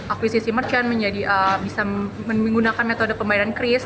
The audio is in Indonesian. akuisisi merchant bisa menggunakan metode pembayaran cris